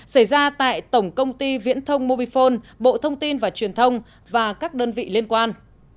xảy ra tại tổng công ty viễn thông mobifone bộ thông tin và truyền thông và các đơn vị liên quan